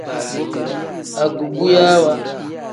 Agubuyaawa.